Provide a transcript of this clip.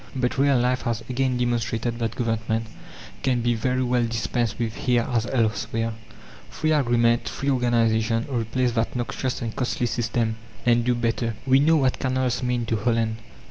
But real life has again demonstrated that Government can be very well dispensed with here as elsewhere. Free agreement, free organization, replace that noxious and costly system, and do better. We know what canals mean to Holland.